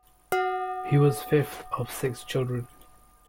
He was fifth of six children.